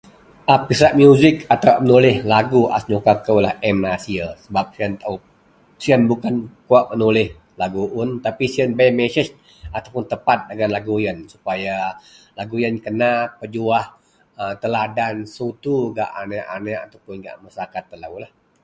A pisak musik àtau a menulih lagu a senuka kou lah M. Nasir. Sebab siyen tao bukan wak menulih lagu un tapi siyen bei meseg atau tepad dagen lagu iyen, supaya lagu-lagu iyen kena pejuwah teladan atau sutu gak anek-anek ataupon gak masrakat telo.